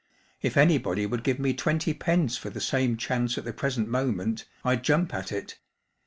If anybody would give me twenty pence for the same chance at the present moment I'd jump at it.